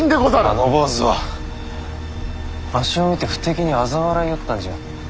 あの坊主はわしを見て不敵にあざ笑いよったんじゃ。